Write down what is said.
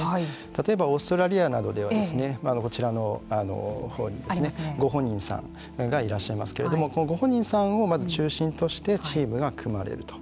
例えばオーストラリアなどではこちらのほうにご本人さんがいらっしゃいますけれどもこのご本人さんを中心としてチームが組まれると。